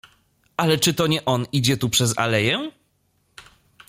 "Ale czy to nie on idzie tu przez aleję?"